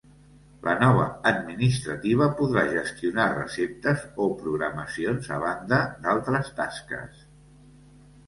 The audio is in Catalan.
La nova administrativa podrà gestionar receptes o programacions a banda d’altres tasques.